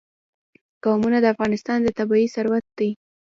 قومونه د افغانستان طبعي ثروت دی.